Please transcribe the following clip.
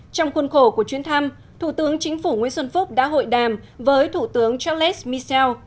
trong khuôn khổ của chuyến thăm thủ tướng chính phủ nguyễn xuân phúc đã hội đàm với thủ tướng charles michel